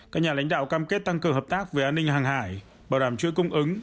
các nhà lãnh đạo cam kết tăng cường hợp tác về an ninh hàng hải bảo đảm chuỗi cung ứng